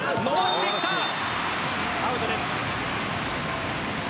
アウトです。